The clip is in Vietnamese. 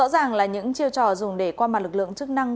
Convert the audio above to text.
rõ ràng là những chiêu trò dùng để qua mặt lực lượng chức năng